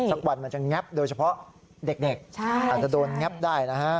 สักวันมันจะแง๊บโดยเฉพาะเด็กอาจจะโดนแง๊บได้นะฮะ